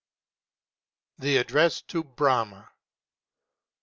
_THE ADDRESS TO BRAHMÁ.